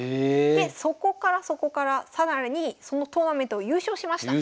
でそこからそこから更にそのトーナメントを優勝しました。